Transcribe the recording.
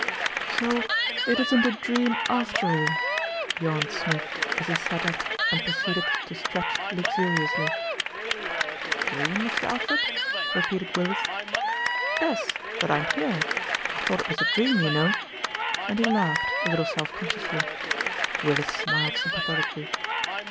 "So it isn't a dream after all," yawned Smith, as he sat up and proceeded to stretch luxuriously. "A dream, Mr. Alfred?" repeated Willis. "Yes, that I'm here. I thought it was a dream, you know," and he laughed, a little self consciously. Willis smiled sympathetically.